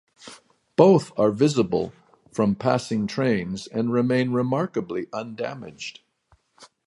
Both are visible from passing trains and remain remarkably undamaged.